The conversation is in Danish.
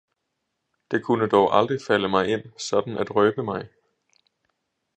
Det kunne dog aldrig falde mig ind sådan at røbe mig.